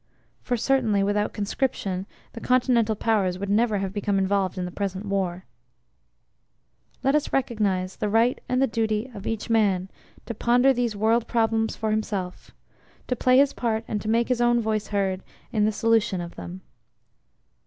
(For certainly, without Conscription the Continental Powers would never have become involved in the present war) Let us recognize the right and the duty of each man to ponder these world problems for himself: to play his part and to make his own voice heard in the solution of them.